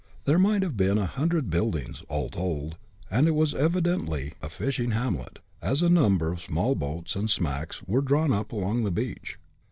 There might have been a hundred buildings, all told, and it was evidently a fishing hamlet, as a number of small boats, and smacks, were drawn up along the beach.